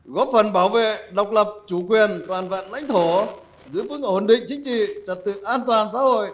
góp phần bảo vệ độc lập chủ quyền toàn vạn lãnh thổ giữ vững ổn định chính trị trật tự an toàn xã hội